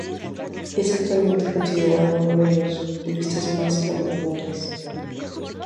Es actualmente considerado uno de los futbolistas más prometedores.